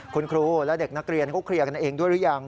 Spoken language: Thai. คุณครูและเด็กนักเรียนเขาเคลียร์กันเองด้วยหรือยัง